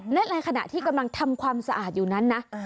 และในขณะที่กำลังทำความสะอาดอยู่นั้นนะ